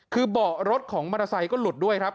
คือเบาะรถของมอเตอร์ไซค์ก็หลุดด้วยครับ